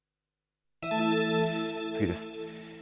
次です。